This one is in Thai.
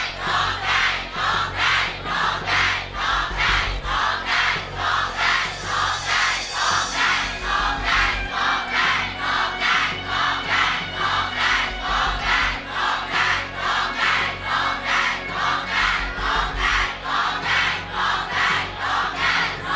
โชคได้โชคได้โชคได้โชคได้โชคได้